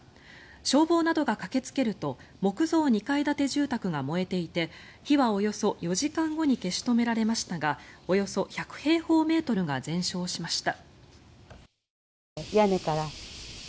消防などが駆けつけると木造２階建て住宅が燃えていて火はおよそ４時間後に消し止められましたがおよそ１００平方メートルが全焼しました。